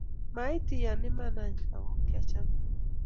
mait iyanan iman any ako kiachamin